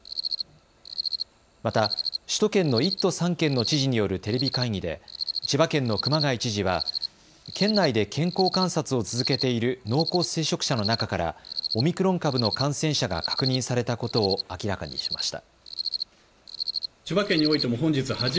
また、首都圏の１都３県の知事によるテレビ会議で千葉県の熊谷知事は県内で健康観察を続けている濃厚接触者の中からオミクロン株の感染者が確認されたことを明らかにしました。